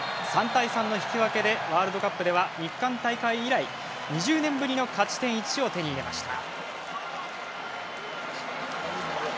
３対３の引き分けでワールドカップでは日韓大会以来２０年ぶりの勝ち点１を手に入れました。